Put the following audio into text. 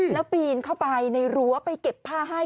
แล้วปีนเข้าไปในรั้วไปเก็บผ้าให้